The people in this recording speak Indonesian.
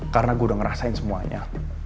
karena gue udah ngerasain semuanya